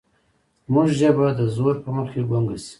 زموږ ژبه د زور په مخ کې ګونګه شي.